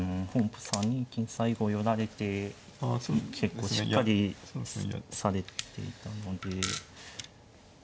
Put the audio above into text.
３二金最後寄られて結構しっかりされていたので。